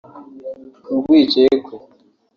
urwikekwe